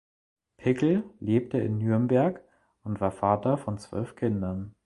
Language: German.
Pickel lebte in Nürnberg und war Vater von zwölf Kindern.